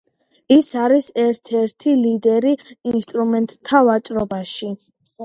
ის არის ერთ-ერთი ლიდერი ინსტრუმენტთა ვაჭრობაში.